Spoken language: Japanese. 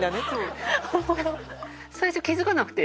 最初気づかなくて。